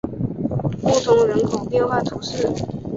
穆通人口变化图示